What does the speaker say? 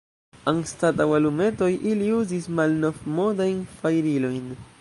Anstataŭ alumetoj ili uzis malnovmodajn fajrilojn.